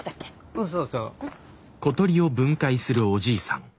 うんそうそう。